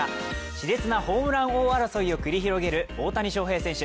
しれつなホームラン王争いを繰り広げる大谷翔平選手。